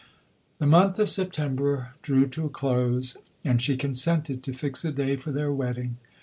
The month of September drew to a close, and she consented to fix a day for their wedding.